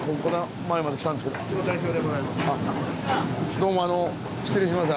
どうも失礼します